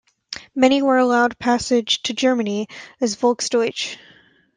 Many were allowed passage to Germany as "Volksdeutsche".